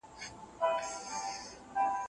سم نیت ستونزي نه زیاتوي.